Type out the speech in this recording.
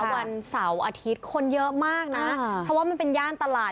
วันเสาร์อาทิตย์คนเยอะมากนะเพราะว่ามันเป็นย่านตลาด